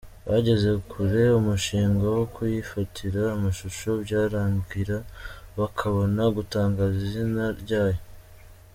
Bageze kure umushinga wo kuyifatira amashusho byarangira bakabona gutangaza izina ryayo.